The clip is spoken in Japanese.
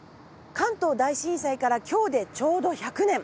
関東大震災から今日でちょうど１００年。